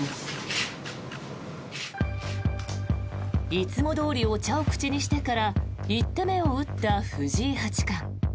いつもどおりお茶を口にしてから１手目を打った藤井八冠。